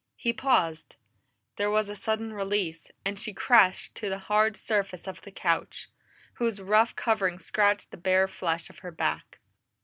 He paused; there was a sudden release, and she crashed to the hard surface of the couch, whose rough covering scratched the bare flesh of her back.